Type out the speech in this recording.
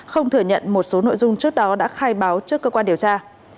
không thừa nhận một số nội dung trước đó đã khai báo trước cơ quan điều tra